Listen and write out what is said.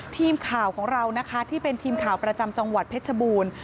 ทีมข่าวของเรานะคะที่เป็นทีมข่าวประจำจังหวัดเพชรบูรณ์